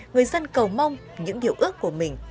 người dân cầu mong những điều ước của mình